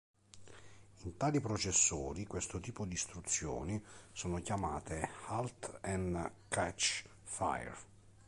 In altri processori questo tipo di istruzioni sono chiamate Halt and Catch Fire.